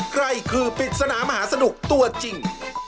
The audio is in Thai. ใครคือปริศนามหาสนุกตัวจริง